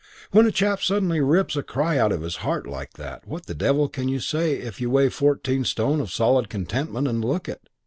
When a chap suddenly rips a cry out of his heart like that, what the devil can you say if you weigh fourteen stone of solid contentment and look it?